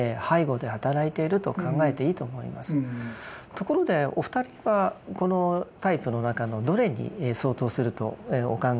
ところでお二人はこのタイプの中のどれに相当するとお考えになりますか？